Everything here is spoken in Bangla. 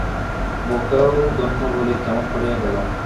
বউকেও ধন্য বলি, কেমন করিয়া গেল?